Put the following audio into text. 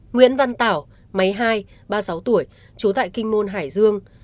nguyễn văn tảo máy hai ba mươi sáu tuổi trú tại kinh môn hải dương